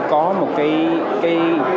có một cái